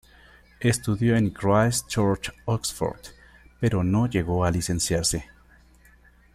Estudió en Christ Church, Oxford, pero no llegó a licenciarse.